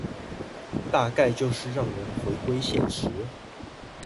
大概就是讓人回歸現實